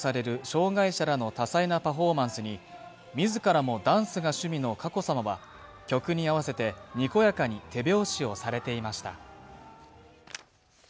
障害者らの多彩なパフォーマンスに自らもダンスが趣味の佳子さまは曲に合わせてにこやかに手拍子をされていました。